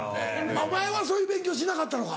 お前はそういう勉強しなかったのか？